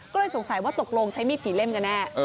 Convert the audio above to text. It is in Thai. ก็เลยสงสัยว่าตกลงใช้มีดกี่เล่มกันแน่